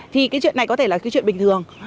thì cái chuyện này có thể là cái chuyện bình thường